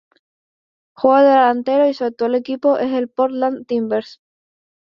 Juega de delantero y su actual equipo es el Portland Timbers.